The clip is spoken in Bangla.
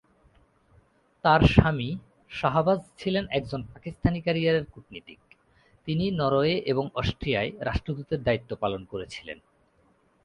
তার স্বামী শাহবাজ ছিলেন একজন পাকিস্তানি ক্যারিয়ারের কূটনীতিক, তিনি নরওয়ে এবং অস্ট্রিয়ায় রাষ্ট্রদূতের দায়িত্ব পালন করেছিলেন।